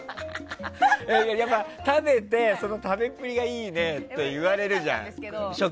食べて、食べっぷりがいいねと言われるじゃん。